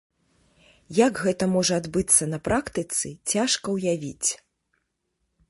Як гэта можа адбыцца на практыцы, цяжка ўявіць.